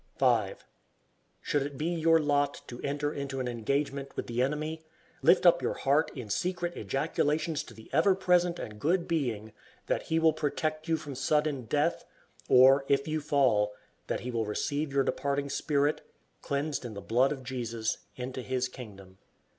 5. Should it be your lot to enter into an engagement with the enemy, lift up your heart in secret ejaculations to the ever present and good Being, that He will protect you from sudden death, or if you fall, that He will receive your departing spirit, cleansed in the blood of Jesus, into His kingdom.